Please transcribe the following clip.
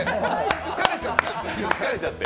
疲れちゃって。